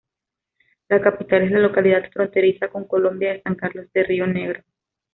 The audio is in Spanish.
La capital es la localidad fronteriza con Colombia de San Carlos de Río Negro.